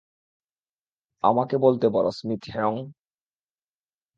আমাকে বলতে পারো স্মিথ হ্যেওং।